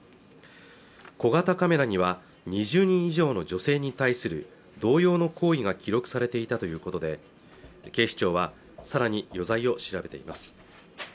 小型カメラには２０人以上の女性に対する同様の行為が記録されていたということで警視庁はさらに余罪を調べています